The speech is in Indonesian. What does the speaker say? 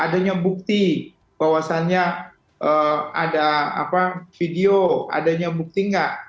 ada bukti bahwasannya ada apa video adanya bukti enggak